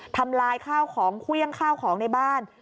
ทำลายข้าวของเครื่องข้าวของในบ้าน